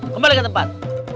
kembali ke tempat